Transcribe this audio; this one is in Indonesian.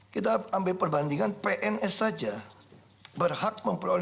kita ambil perbandingan pns saja berhak memperoleh